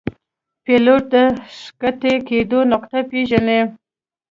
پیلوټ د ښکته کېدو نقطه پیژني.